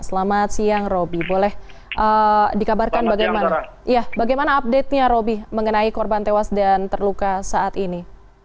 selamat siang roby boleh dikabarkan bagaimana update nya roby mengenai korban tewas dan terluka saat ini